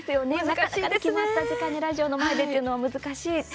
なかなか決まった時間にラジオの前でというのは難しい。